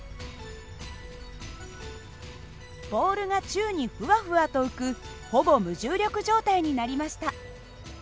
ボールが宙にふわふわと浮くほぼ無重力状態になりました。